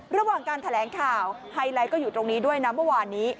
ระหว่างการแถลงข่าวไฮไลท์ก็อยู่ตรงนี้ด้วยนะเมื่อวานนี้